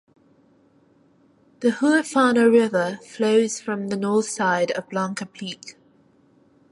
The Huerfano River flows from the north side of Blanca Peak.